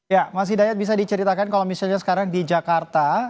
ya mas hidayat bisa diceritakan kalau misalnya sekarang di jakarta